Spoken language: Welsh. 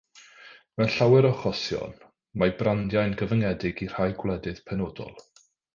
Mewn llawer o achosion, mae brandiau'n gyfyngedig i rai gwledydd penodol.